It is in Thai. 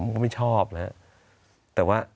สวัสดีครับทุกคน